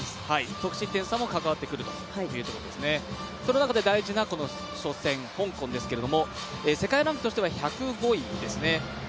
得失点差も関わってくるという中で、大事なこの初戦香港ですけれど世界ランクは１０５位ですね。